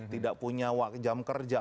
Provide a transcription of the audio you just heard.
tidak punya jam kerja